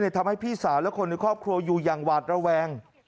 ทำให้พี่สาวและคนในครอบครัวอยู่อย่างหวาดระแวง